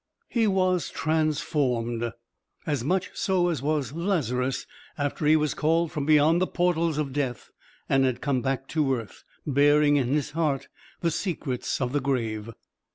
He was transformed, as much so as was Lazarus after he was called from beyond the portals of death and had come back to earth, bearing in his heart the secrets of the grave.